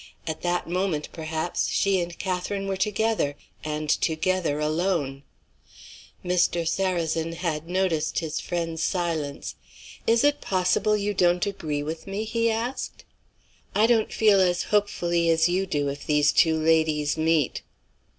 At that moment, perhaps, she and Catherine were together and together alone. Mr. Sarrazin had noticed his friend's silence. "Is it possible you don't agree with me?" he asked. "I don't feel as hopefully as you do, if these two ladies meet."